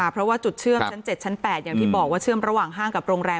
เพราะว่าจุดเชื่อมชั้น๗ชั้น๘อย่างที่บอกว่าเชื่อมระหว่างห้างกับโรงแรม